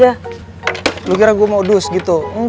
udah udah mahir dalam membuka helm gitu lo